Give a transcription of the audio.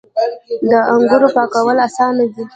د انګورو پاکول اسانه دي.